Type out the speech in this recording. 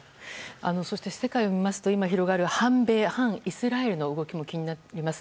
世界を見ますと、今広がる反米・反イスラエルの動きも気になります。